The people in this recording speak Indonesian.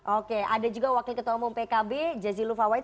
oke ada juga wakil ketua umum pkb jazil lufawait